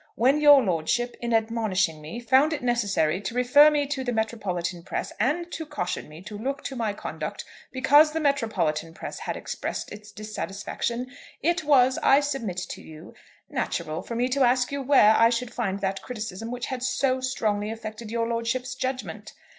When your lordship, in admonishing me, found it necessary to refer me to the metropolitan press, and to caution me to look to my conduct because the metropolitan press had expressed its dissatisfaction, it was, I submit to you, natural for me to ask you where I should find that criticism which had so strongly affected your lordship's judgment.